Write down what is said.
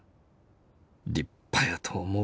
立派やと思う」。